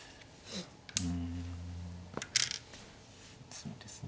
そうですね。